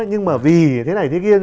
nhưng mà vì thế này thế kia